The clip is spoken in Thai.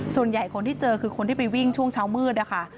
ส่วนใหญ่คนที่เจอคือคนที่ไปวิ่งช่วงเช้ามืดนะคะ